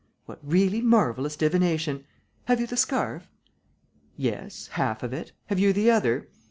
What really marvellous divination! Have you the scarf?" "Yes, half of it. Have you the other?"